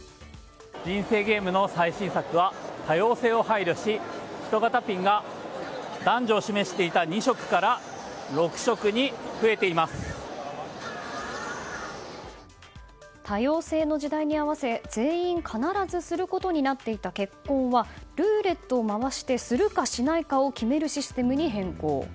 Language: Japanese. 人生ゲームの最新作は多様性を配慮し、人型ピンが男女を示していた２色から多様性の時代に合わせ全員必ずすることになっていた結婚はルーレットを回してするかしないかを決めるシステムに変更。